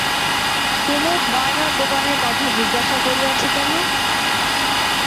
কুমুদ গয়নার দোকানের কথা জিজ্ঞাসা করিয়াছে কেন?